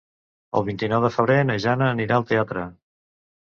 El vint-i-nou de febrer na Jana anirà al teatre.